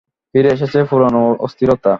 ফিরে এসেছে পুরোনো অস্থিরতা।